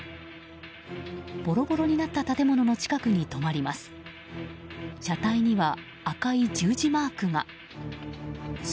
ボロボロになった建物の近くに止まります。